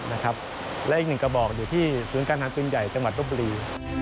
และอีก๑กระบอกอยู่ที่ศูนย์การทางปืนใหญ่จังหวัดต้มบลี